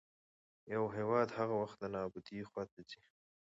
يـو هـيواد هـغه وخـت د نـابـودۍ خـواتـه ځـي